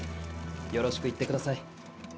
よろしく言ってください。